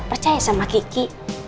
percaya sama kiki